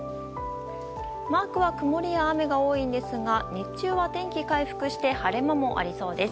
マークは曇りや雨が多いんですが日中は天気回復して晴れ間もありそうです。